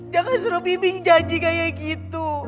jangan suruh bimbing janji kayak gitu